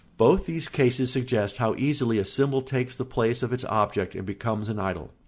Both these cases suggest how easily a symbol takes the place of its object and becomes an idol.